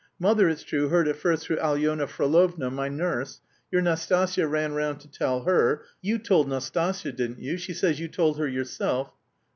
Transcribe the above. Mother, it's true, heard it first through Alyona Frolovna, my nurse; your Nastasya ran round to tell her. You told Nastasya, didn't you? She says you told her yourself."